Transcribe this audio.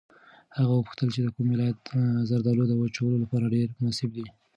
هغه وپوښتل چې د کوم ولایت زردالو د وچولو لپاره ډېر مناسب دي.